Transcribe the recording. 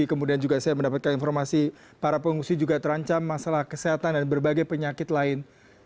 kemudian juga saya mendapatkan informasi para pengungsi juga terancam masalah kesehatan dan berbagai penyakit lain